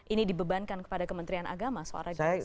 ini dibebankan kepada kementerian agama soal jurnalisis